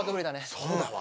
そうだわ。